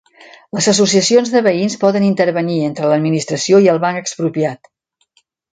Les associacions de veïns poden intervenir entre l'administració i el Banc Expropiat